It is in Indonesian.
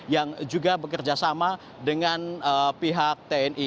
yang juga bekerja sama dengan pihak tni